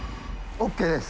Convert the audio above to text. ＯＫです。